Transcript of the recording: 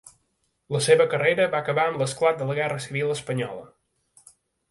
La seva carrera va acabar amb l'esclat de la Guerra Civil espanyola.